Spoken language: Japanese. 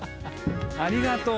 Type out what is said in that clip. ありがとう。